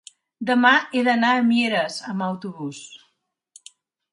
demà he d'anar a Mieres amb autobús.